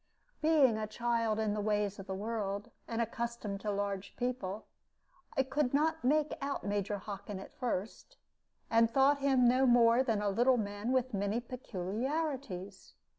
Being a child in the ways of the world, and accustomed to large people, I could not make out Major Hockin at first, and thought him no more than a little man with many peculiarities.